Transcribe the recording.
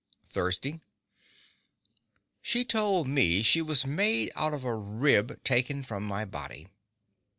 Thursday She told me she was made out of a rib taken from my body.